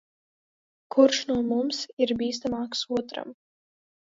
Kurš no mums ir bīstamāks otram.